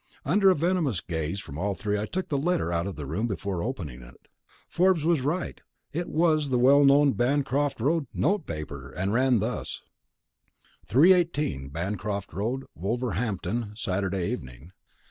Under a venomous gaze from all three I took the letter out of the room before opening it. Forbes was right: it was the well known Bancroft Road notepaper. It ran thus: 318, BANCROFT ROAD, WOLVERHAMPTON Saturday Evening.